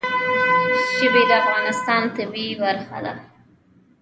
ژبې د افغانستان د طبیعت برخه ده.